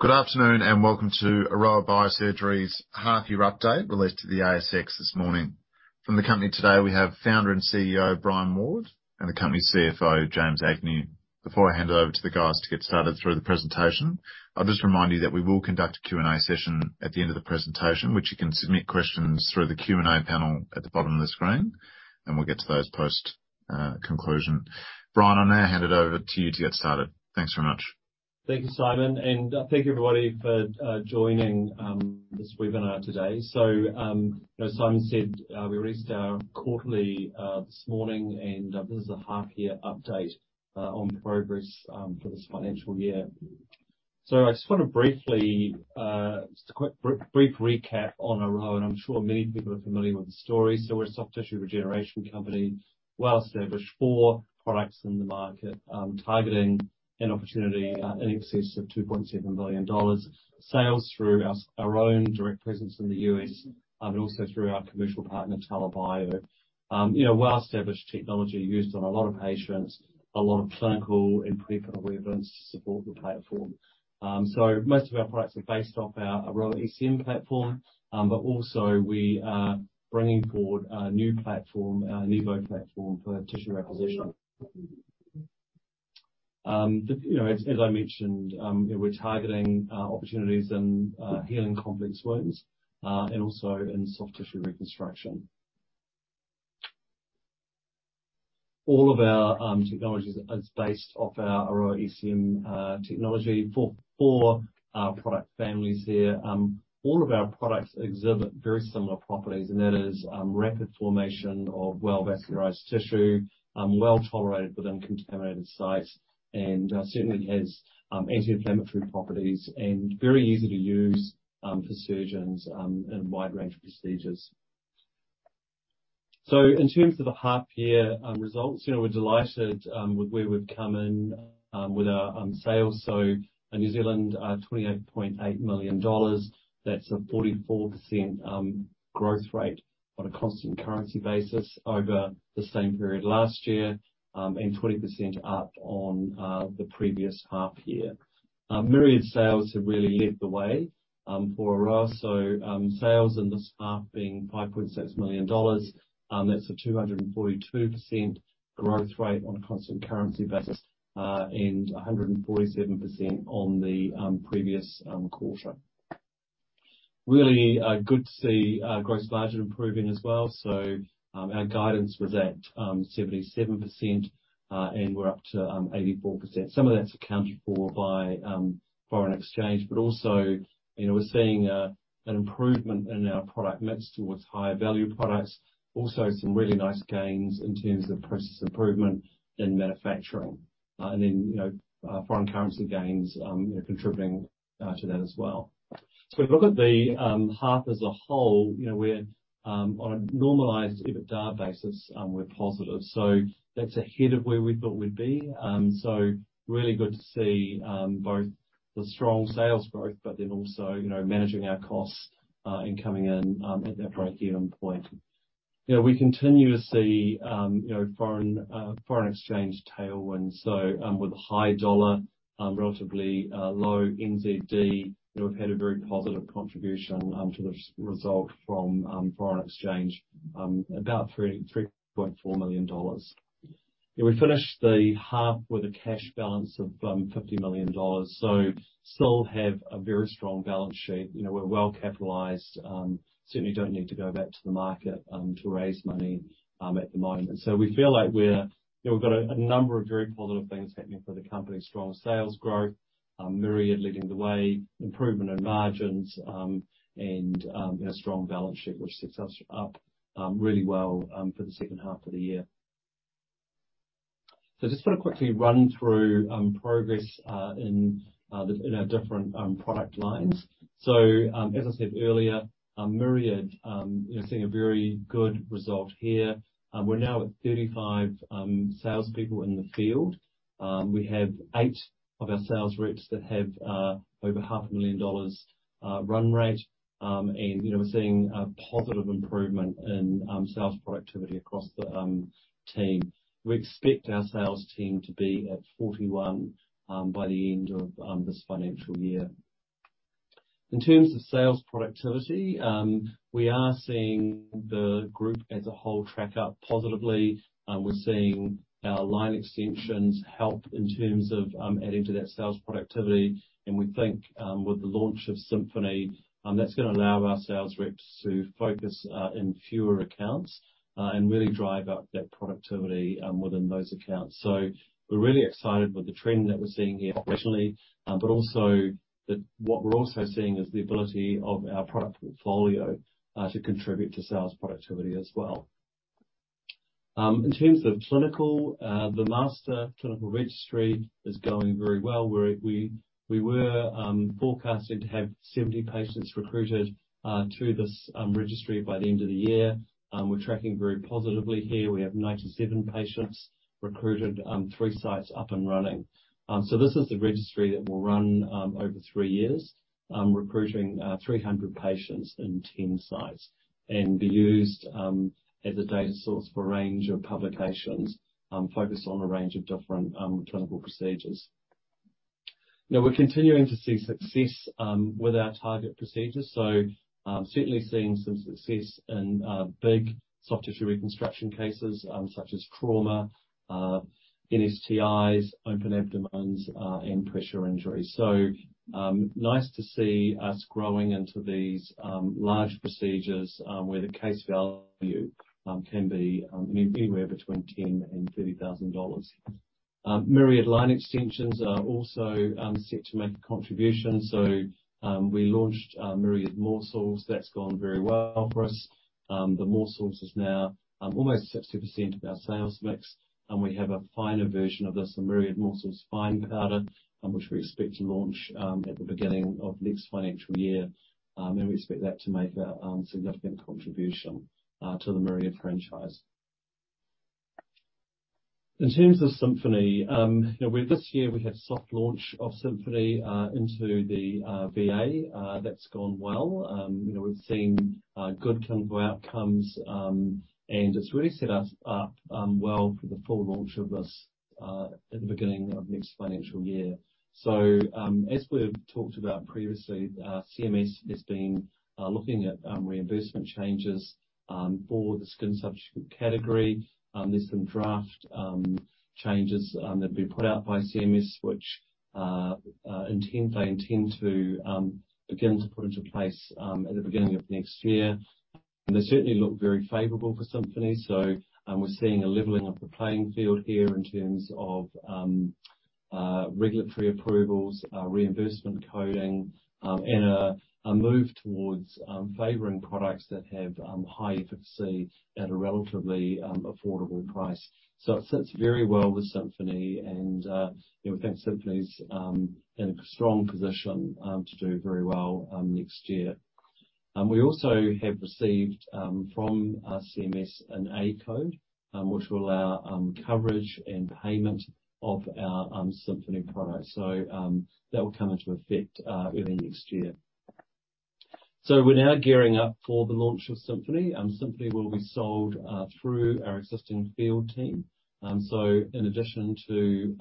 Good afternoon, and welcome to Aroa Biosurgery's half-year update released to the ASX this morning. From the company today, we have Founder and CEO, Brian Ward, and the company CFO, James Agnew. Before I hand it over to the guys to get started through the presentation, I'll just remind you that we will conduct a Q&A session at the end of the presentation, which you can submit questions through the Q&A panel at the bottom of the screen, and we'll get to those post conclusion. Brian, I'll now hand it over to you to get started. Thanks very much. Thank you, Simon, and thank you everybody for joining this webinar today. As Simon said, we released our quarterly this morning, and this is a half year update on progress for this financial year. I just want to briefly just a quick brief recap on Aroa, and I'm sure many people are familiar with the story. We're a soft tissue regeneration company, well-established, four products in the market, targeting an opportunity in excess of $2.7 billion. Sales through our own direct presence in the U.S., and also through our commercial partner, TELA Bio. You know, well-established technology used on a lot of patients, a lot of clinical and pre-clinical evidence to support the platform. Most of our products are based off our AroaECM platform, but also we are bringing forward a new platform, our Enivo platform, for tissue apposition. You know, as I mentioned, you know, we're targeting opportunities in healing complex wounds, and also in soft tissue reconstruction. All of our technologies is based off our AroaECM technology for four product families there. All of our products exhibit very similar properties, and that is rapid formation of well-vascularized tissue, well-tolerated within contaminated sites, and certainly has anti-inflammatory properties, and very easy to use for surgeons in a wide range of procedures. In terms of the half year results, you know, we're delighted with where we've come in with our sales. In New Zealand, 28.8 million New Zealand dollars. That's a 44% growth rate on a constant currency basis over the same period last year, and 20% up on the previous half year. Myriad sales have really led the way for Aroa, so sales in this half being 5.6 million dollars. That's a 242% growth rate on a constant currency basis, and a 147% on the previous quarter. Really good to see gross margin improving as well. Our guidance was at 77%, and we're up to 84%. Some of that's accounted for by foreign exchange, but also, you know, we're seeing an improvement in our product mix towards higher value products. Also some really nice gains in terms of process improvement in manufacturing. Then, you know, foreign currency gains, you know, contributing to that as well. If we look at the half as a whole we're on a normalized EBITDA basis, we're positive. That's ahead of where we thought we'd be. Really good to see both the strong sales growth, but then also, you know, managing our costs and coming in at that break-even point. You know, we continue to see, you know, foreign exchange tailwinds. With a high dollar, relatively low NZD, you know, we've had a very positive contribution to this result from foreign exchange, about 3.4 million dollars. Yeah, we finished the half with a cash balance of 50 million dollars, so still have a very strong balance sheet. You know, we're well capitalized, certainly don't need to go back to the market to raise money at the moment. We feel like we're you know we've got a number of very positive things happening for the company. Strong sales growth, Myriad leading the way, improvement in margins, and our strong balance sheet, which sets us up really well for the second half of the year. Just want to quickly run through progress in our different product lines. As I said earlier, Myriad you know seeing a very good result here. We're now at 35 salespeople in the field. We have eight of our sales reps that have over half a million dollars run rate. We're seeing a positive improvement in sales productivity across the team. We expect our sales team to be at 41 by the end of this financial year. In terms of sales productivity, we are seeing the group as a whole track up positively. We're seeing our line extensions help in terms of adding to that sales productivity. We think with the launch of Symphony, that's going to allow our sales reps to focus in fewer accounts and really drive up that productivity within those accounts. We're really excited with the trend that we're seeing here operationally, but also what we're also seeing is the ability of our product portfolio to contribute to sales productivity as well. In terms of clinical, the master clinical registry is going very well. We were forecasting to have 70 patients recruited to this registry by the end of the year. We're tracking very positively here. We have 97 patients recruited, three sites up and running. This is the registry that will run over three years, recruiting 300 patients in 10 sites and be used as a data source for a range of publications focused on a range of different clinical procedures. Now we're continuing to see success with our target procedures. Certainly seeing some success in big soft tissue reconstruction cases, such as trauma, NSTIs, open abdomens, and pressure injuries. Nice to see us growing into these large procedures, where the case value can be anywhere between 10,000 and 30,000 dollars. Myriad line extensions are also set to make a contribution. We launched Myriad Morcells. That's gone very well for us. The Morcells is now almost 60% of our sales mix, and we have a finer version of this, the Myriad Morcells Fine Powder, which we expect to launch at the beginning of next financial year. We expect that to make a significant contribution to the Myriad franchise. In terms of Symphony, this year we had soft launch of Symphony into the VA. That's gone well. We've seen good clinical outcomes, and it's really set us up well for the full launch of this at the beginning of next financial year. As we've talked about previously, CMS has been looking at reimbursement changes for the skin substitute category. There's some draft changes that have been put out by CMS which they intend to begin to put into place at the beginning of next year. They certainly look very favorable for Symphony. We're seeing a leveling of the playing field here in terms of regulatory approvals, reimbursement coding, and a move towards favoring products that have high efficacy at a relatively affordable price. It sits very well with Symphony. You know, we think Symphony's in a strong position to do very well next year. We also have received from CMS an A code, which will allow coverage and payment of our Symphony product. That will come into effect early next year. We're now gearing up for the launch of Symphony. Symphony will be sold through our existing field team. In addition to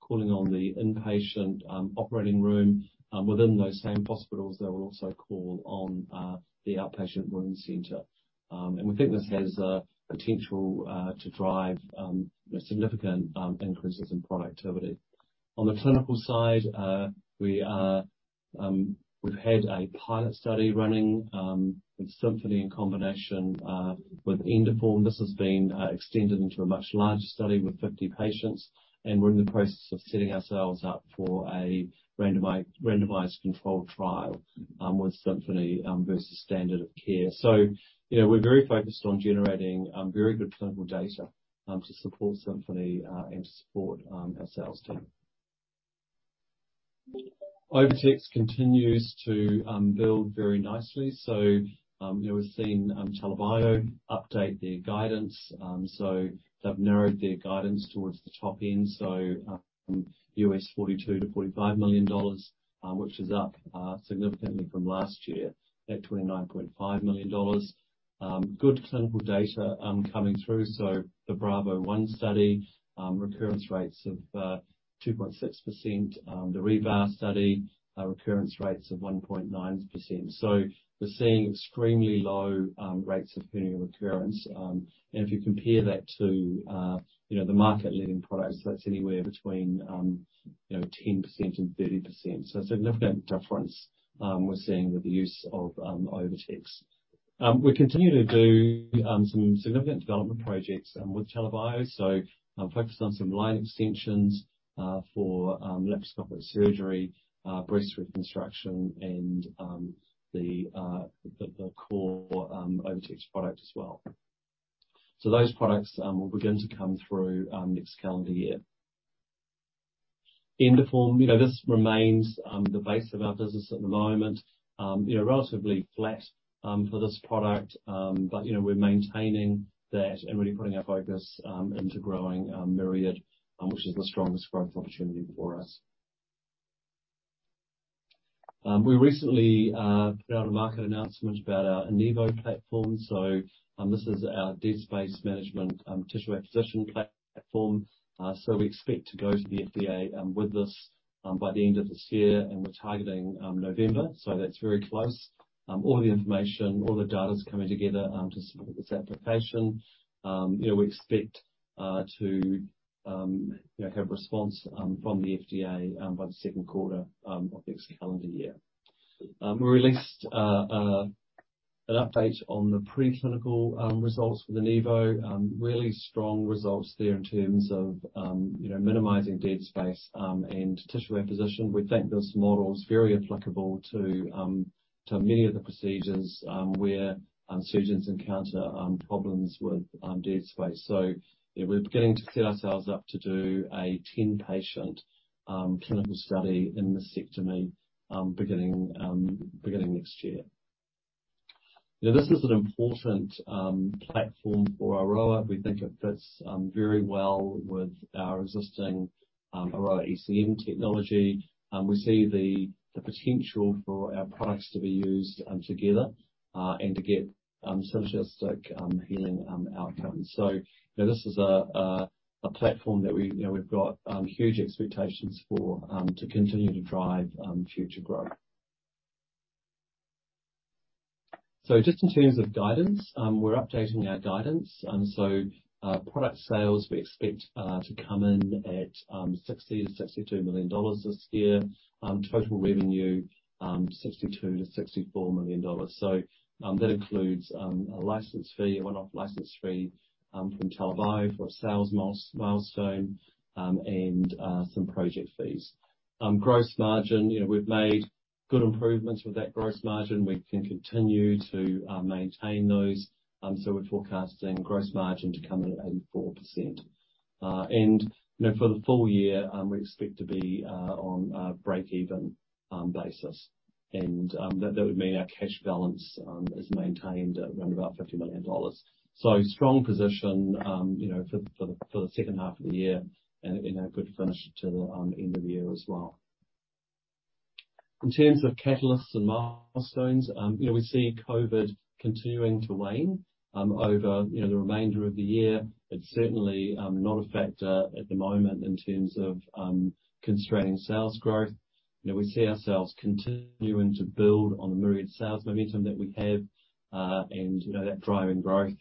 calling on the inpatient operating room within those same hospitals, they will also call on the outpatient wound center. We think this has a potential to drive significant increases in productivity. On the clinical side, we've had a pilot study running with Symphony in combination with Endoform. This has been extended into a much larger study with 50 patients, and we're in the process of setting ourselves up for a randomized controlled trial with Symphony versus standard of care. We're very focused on generating very good clinical data to support Symphony and to support our sales team. OviTex continues to build very nicely. You know, we're seeing TELA Bio update their guidance, so they've narrowed their guidance towards the top end. $42-$45 million, which is up significantly from last year at $29.5 million. Good clinical data coming through. The Bravo one study, recurrence rates of 2.6%. The ReVas study, recurrence rates of 1.9%. We're seeing extremely low rates of hernia recurrence. If you compare that to you know, the market-leading products, that's anywhere between 10% and 30%. A significant difference we're seeing with the use of OviTex. We continue to do some significant development projects with TELA Bio. I'm focused on some line extensions for laparoscopic surgery, breast reconstruction, and the core OviTex product as well. Those products will begin to come through next calendar year. Endoform this remains the base of our business at the moment. You know, relatively flat for this product. We're maintaining that and really putting our focus into growing Myriad, which is the strongest growth opportunity for us. We recently put out a market announcement about our Enivo platform. This is our dead space management tissue apposition platform. We expect to go to the FDA with this by the end of this year, and we're targeting November. That's very close. All the information, all the data is coming together to support this application. We expect to you know, have a response from the FDA by the second quarter of next calendar year. We released an update on the preclinical results for the Enivo. Really strong results there in terms of you know, minimizing dead space and tissue acquisition. We think this model is very applicable to many of the procedures where surgeons encounter problems with dead space. We're beginning to set ourselves up to do a 10-patient clinical study in mastectomy beginning next year. Now, this is an important platform for Aroa. We think it fits very well with our existing Aroa ECM technology. We see the potential for our products to be used together and to get synergistic healing outcomes. This is a platform that we we've got huge expectations for to continue to drive future growth. Just in terms of guidance, we're updating our guidance. Product sales, we expect to come in at 60 million-62 million dollars this year. Total revenue 62-64 million dollars. That includes a license fee, a one-off license fee from TELA Bio for a sales milestone and some project fees. Gross margin we've made good improvements with that gross margin. We can continue to maintain those. We're forecasting gross margin to come in at 84%. You know, for the full year, we expect to be on a break-even basis. that would mean our cash balance is maintained at around about 50 million dollars. strong position, you know, for the second half of the year and, you know, good finish to the end of the year as well. In terms of catalysts and milestones, you know, we see COVID continuing to wane over the remainder of the year. It's certainly not a factor at the moment in terms of constraining sales growth. We see ourselves continuing to build on the Myriad sales momentum that we have, and, you know, that driving growth.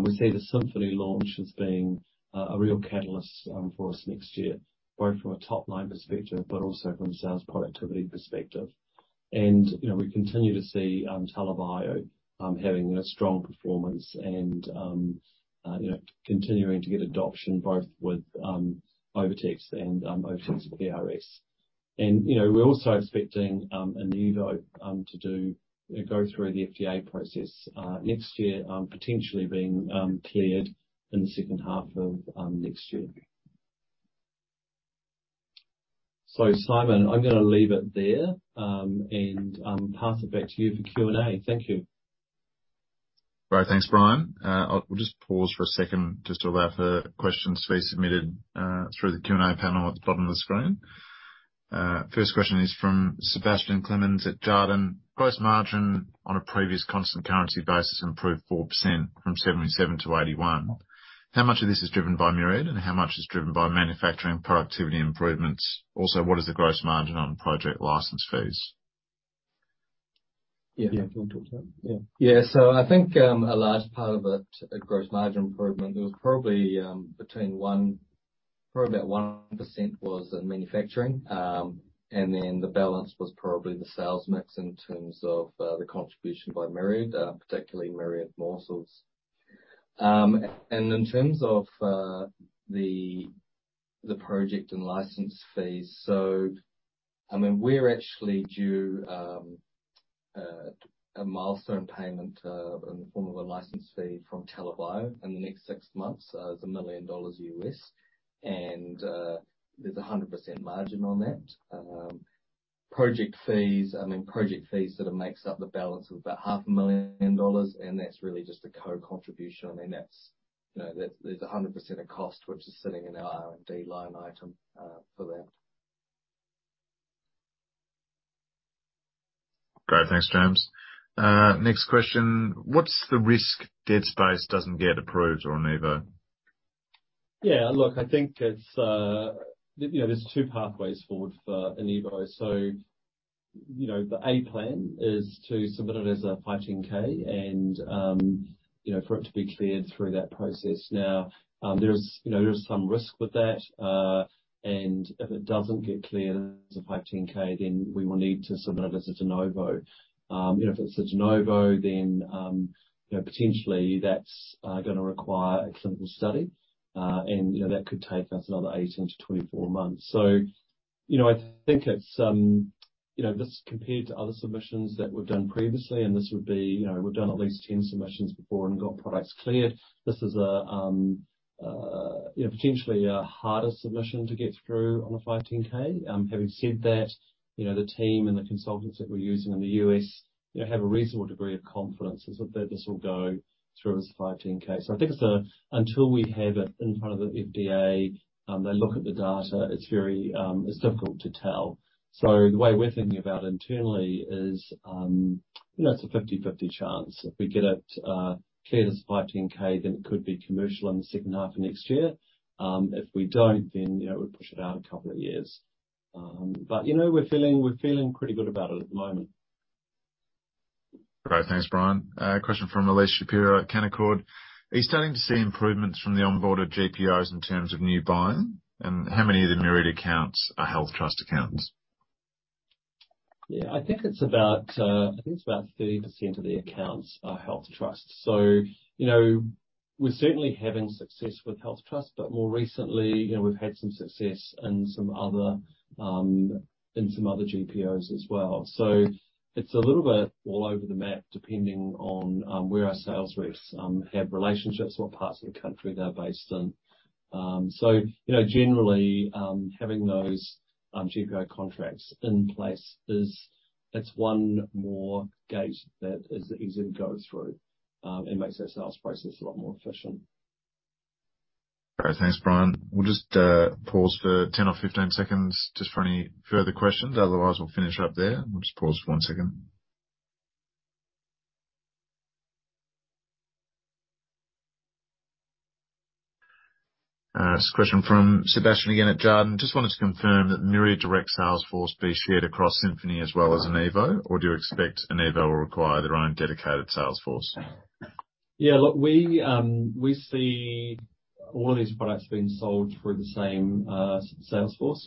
We see the Symphony launch as being a real catalyst for us next year, both from a top-line perspective, but also from a sales productivity perspective. You know, we continue to see TELA Bio having a strong performance and you know, continuing to get adoption both with OviTex and OviTex PRS. We're also expecting Enivo to go through the FDA process next year. Potentially being cleared in the second half of next year. Simon, I'm going to leave it there and pass it back to you for Q&A. Thank you. Great. Thanks, Brian. We'll just pause for a second just to allow for questions to be submitted through the Q&A panel at the bottom of the screen. First question is from Sebastian Clemens at Jarden. Gross margin on a previous constant currency basis improved 4% from 77% to 81%. How much of this is driven by Myriad, and how much is driven by manufacturing productivity improvements? Also, what is the gross margin on project license fees? Yeah. Do you want to talk to that? I think a large part of it, the gross margin improvement, it was probably about 1% was in manufacturing. Then the balance was probably the sales mix in terms of the contribution by Myriad, particularly Myriad Morcells. In terms of the project and license fees. I mean, we're actually due a milestone payment in the form of a license fee from TELA Bio in the next six months. It's $1 million and there's 100% margin on that. Project fees, I mean, sort of makes up the balance of about half a million dollars. That's really just a co-contribution. I mean, that's, you know, there's 100% of cost which is sitting in our R&D line item, for that. Great. Thanks, James. Next question. What's the risk dead space doesn't get approved for Enivo? Yeah. Look, I think it's, you know, there's two pathways forward for Enivo. You know, the A plan is to submit it as a 510(k) and, you know, for it to be cleared through that process. Now, there's, you know, there is some risk with that. If it doesn't get cleared as a 510(k), then we will need to submit it as a de novo. You know, if it's a de novo, then, you know, potentially that's going to require a clinical study. You know, that could take us another 18-24 months. You know, I think it's, you know, this compared to other submissions that we've done previously, and this would be, you know, we've done at least 10 submissions before and got products cleared. This is, you know, potentially a harder submission to get through on a five ten K. Having said that, you know, the team and the consultants that we're using in the U.S., you know, have a reasonable degree of confidence that this will go through as a five ten K. I think it's until we have it in front of the FDA, they look at the data, it's very difficult to tell. The way we're thinking about internally is, you know, it's a fifty-fifty chance. If we get it cleared as a five ten K, then it could be commercial in the second half of next year. If we don't, then, you know, we push it out a couple of years. You know, we're feeling pretty good about it at the moment. Great. Thanks, Brian. Question from Elyse Shapiro at Canaccord. Are you starting to see improvements from the onboarded GPOs in terms of new buying? And how many of the Myriad accounts are health trust accounts? Yeah, I think it's about 30% of the accounts are health trusts. You know, we're certainly having success with health trusts. More recently, you know, we've had some success in some other GPOs as well. It's a little bit all over the map, depending on where our sales reps have relationships, what parts of the country they're based in. You know, generally, having those GPO contracts in place is one more gate that is easy to go through and makes that sales process a lot more efficient. Great. Thanks, Brian. We'll just pause for 10 or 15 seconds just for any further questions. Otherwise, we'll finish up there. We'll just pause for one second. This question from Sebastian again at Jarden. Just wanted to confirm that Myriad direct sales force be shared across Symphony as well as Enivo, or do you expect Enivo will require their own dedicated sales force? Yeah. Look, we see all of these products being sold through the same sales force.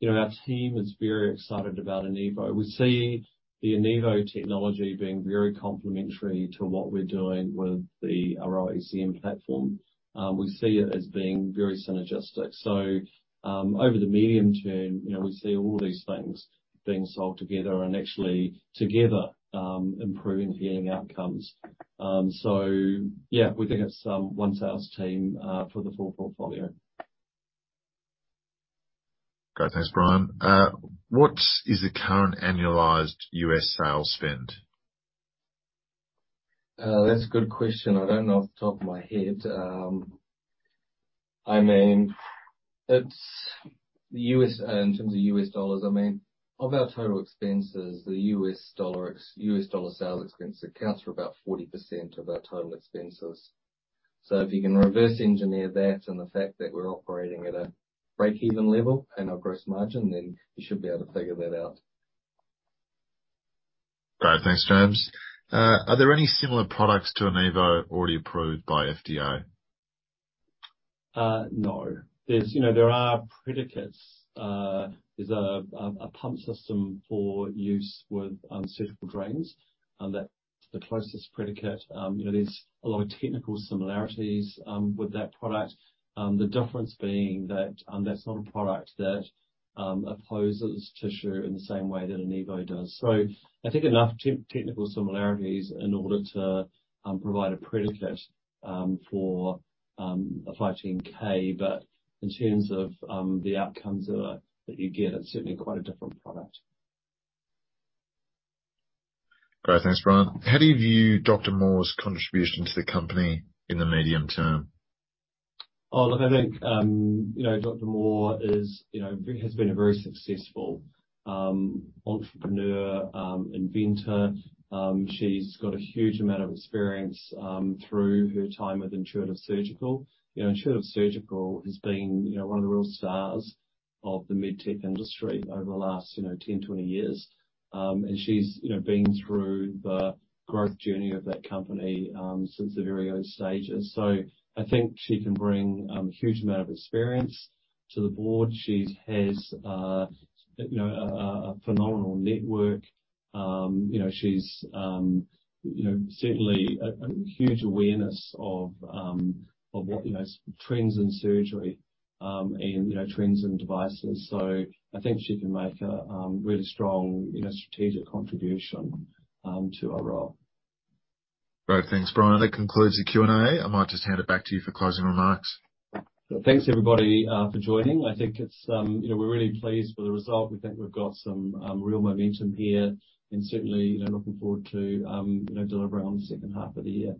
You know, our team is very excited about Enivo. We see the Enivo technology being very complementary to what we're doing with the AroaECM platform. We see it as being very synergistic. Over the medium term, you know, we see all these things being sold together and actually together improving healing outcomes. Yeah, we think it's one sales team for the full portfolio. Great. Thanks, Brian. What is the current annualized U.S. sales spend? That's a good question. I don't know off the top of my head. I mean, it's the U.S., in terms of U.S. dollars, I mean, of our total expenses, the U.S. dollar sales expense accounts for about 40% of our total expenses. If you can reverse engineer that and the fact that we're operating at a break-even level in our gross margin, then you should be able to figure that out. Great. Thanks, James. Are there any similar products to Enivo already approved by FDA? No. There are predicates, you know. There's a pump system for use with uncuffed drains. That's the closest predicate. You know, there's a lot of technical similarities with that product. The difference being that that's not a product that apposes tissue in the same way that Enivo does. I think enough technical similarities in order to provide a predicate for a 510(k). But in terms of the outcomes that you get, it's certainly quite a different product. Great. Thanks, Brian. How do you view Dr. Mohr's contribution to the company in the medium term? Oh, look, I think you know, Dr. Mohr is, you know, has been a very successful entrepreneur, inventor. She's got a huge amount of experience through her time with Intuitive Surgical. You know, Intuitive Surgical has been, you know, one of the real stars of the med tech industry over the last, you know, 10, 20 years. She's, you know, been through the growth journey of that company since the very early stages. I think she can bring a huge amount of experience to the board. She has, you know, a phenomenal network. You know, she's, you know, certainly a huge awareness of, you know, what trends in surgery and, you know, trends in devices. I think she can make a really strong, you know, strategic contribution to our role. Great. Thanks, Brian. That concludes the Q&A. I might just hand it back to you for closing remarks. Thanks, everybody, for joining. I think it's, you know, we're really pleased with the result. We think we've got some, real momentum here, and certainly, you know, looking forward to, you know, delivering on the second half of the year.